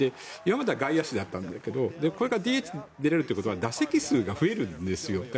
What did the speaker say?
今までは外野手だったんだけどこれからＤＨに出られるということは打席数が増えるんですよ。